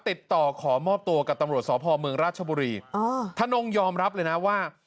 ติดต่อขอมอบตัวกับตำรวจสพเมืองราชบุรีอ๋อธนงยอมรับเลยนะว่า